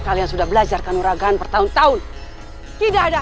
serang aku dengan semuanya